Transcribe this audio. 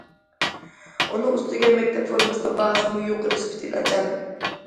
ئۇنىڭ ئۈستىگە مەكتەپ فورمىسىنىڭ باھاسىمۇ يۇقىرى، سۈپىتى ناچار.